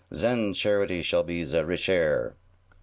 Zen charity shall be ze richair!"